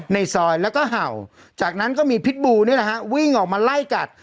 ในซอยแล้วก็เห่าจากนั้นก็มีพิษบูนี่แหละฮะวิ่งออกมาไล่กัด